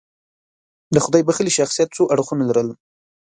د خدای بښلي شخصیت څو اړخونه لرل.